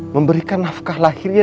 memberikan nafkah lahirnya